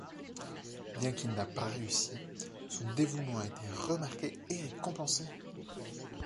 Bien qu'il n'a pas réussi, son dévouement a été remarqués et récompensés.